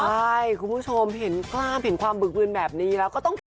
ใช่คุณผู้ชมเห็นกล้ามเห็นความบึกบืนแบบนี้แล้วก็ต้องทำ